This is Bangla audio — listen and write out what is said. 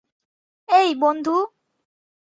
এই, বন্ধু।